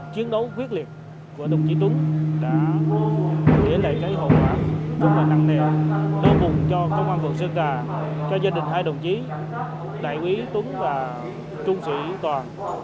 chiến đấu quyết liệt của đồng chí tuấn đã giữ lại cái hồ quả vô mặt nặng nề đối mùng cho công an vượng sơn trà cho gia đình hai đồng chí đại quý tuấn và trung sĩ toàn